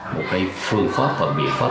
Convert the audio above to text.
một cái phương pháp và biện pháp